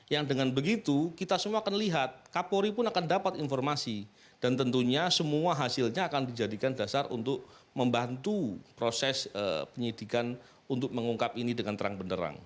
yang dengan begitu kita semua akan lihat kapolri pun akan dapat informasi dan tentunya semua hasilnya akan dijadikan dasar untuk membantu proses penyidikan untuk mengungkap ini dengan terang benderang